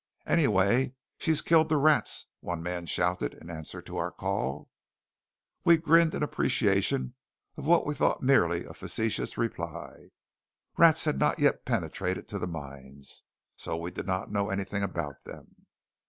"Anyway, she's killed the rats," one man shouted in answer to our call. We grinned an appreciation of what we thought merely a facetious reply. Rats had not yet penetrated to the mines, so we did not know anything about them.